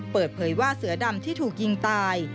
เปิดเผยว่าเสือดำที่ถูกยิงตาย